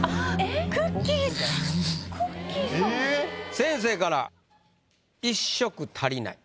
先生から「一色足りない」。